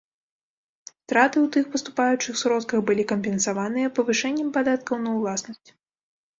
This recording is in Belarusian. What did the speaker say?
Страты ў тых паступаючых сродках былі кампенсаваныя павышэннем падаткаў на ўласнасць.